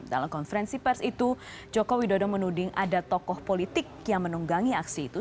dalam konferensi pers itu joko widodo menuding ada tokoh politik yang menunggangi aksi itu